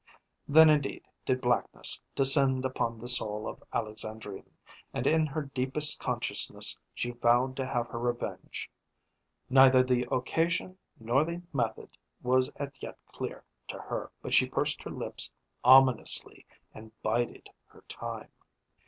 Then indeed did blackness descend upon the soul of Alexandrine, and in her deepest consciousness she vowed to have revenge. Neither the occasion nor the method was as yet clear to her, but she pursed her lips ominously, and bided her time.